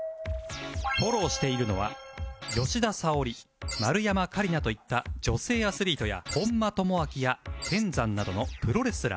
フォローしているのは吉田沙保里丸山桂里奈といった女性アスリートや本間朋晃や天山などのプロレスラー